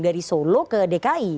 dari solo ke dki